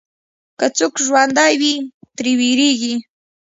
که څوک ژوندی وي، ترې وېرېږي.